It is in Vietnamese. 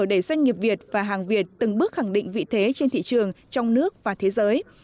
để doanh nghiệp việt và hàng việt từng bước khẳng định vị thế trên thị trường trong nước và thế giới